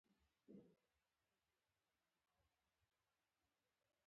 شېبه وروسته يې په لاس کې نیولې دستکشې له کټه ووهلې.